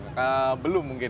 iya belum mungkin